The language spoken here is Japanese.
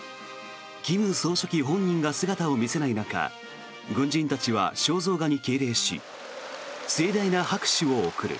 金総書記本人が姿を見せない中軍人たちは肖像画に敬礼し盛大な拍手を送る。